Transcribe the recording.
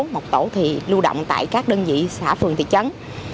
một tổ thì lưu động tại các đơn vị xã phường thị trấn